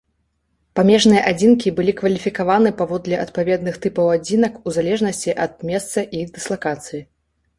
Памежныя адзінкі былі кваліфікаваны паводле адпаведных тыпаў адзінак у залежнасці ад месца іх дыслакацыі.